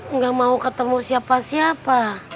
nggak mau ketemu siapa siapa